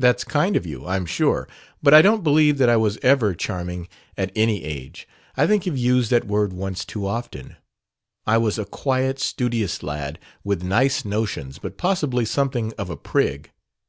"That's kind of you, I'm sure; but I don't believe that I was ever 'charming' at any age. I think you've used that word once too often. I was a quiet, studious lad, with nice notions, but possibly something of a prig.